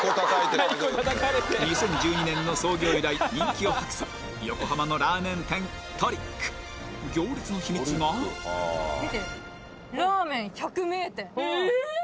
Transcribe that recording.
２０１２年の創業以来人気を博す横浜のラーメン店行列の秘密が見てよ「ラーメン百名店」えーっ！？